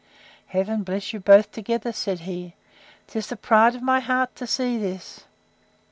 —Heaven bless you both together! said he. 'Tis the pride of my heart to see this!